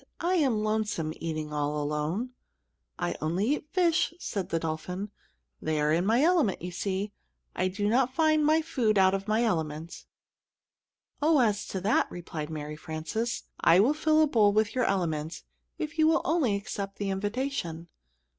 I am lonesome, eating all alone." "I eat only fish," said the dolphin. "They are in my element, you see. I do not find my food out of my element." "Oh, as to that," replied Mary Frances, "I will fill a bowl with your element, if you will only accept the invitation."